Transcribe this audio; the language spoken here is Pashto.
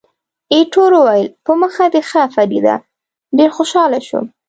ایټور وویل، په مخه دې ښه فریډه، ډېر خوشاله شوم.